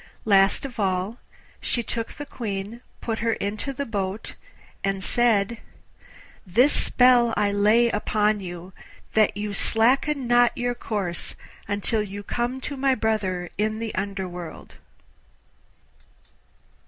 Last of all she took the Queen, put her into the boat, and said 'This spell I lay upon you, that you slacken not your course until you come to my brother in the Underworld.